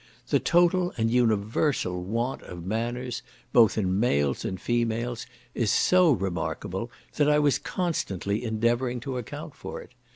The total and universal want of manners, both in males and females, is so remarkable, that I was constantly endeavouring to account for it.